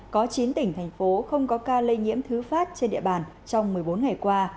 có chín tỉnh thành phố không có ca lây nhiễm thứ phát trên địa bàn trong một mươi bốn ngày qua